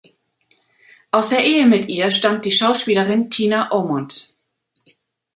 Aus der Ehe mit ihr stammt die Schauspielerin Tina Aumont.